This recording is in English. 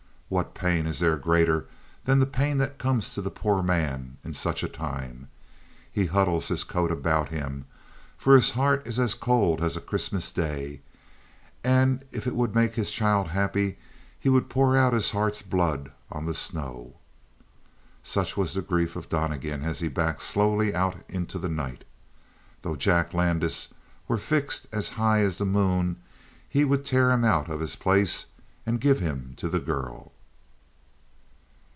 What pain is there greater than the pain that comes to the poor man in such a time? He huddles his coat about him, for his heart is as cold as a Christmas day; and if it would make his child happy, he would pour out his heart's blood on the snow. Such was the grief of Donnegan as he backed slowly out into the night. Though Jack Landis were fixed as high as the moon he would tear him out of his place and give him to the girl.